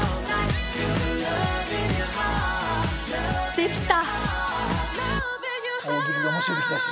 できた！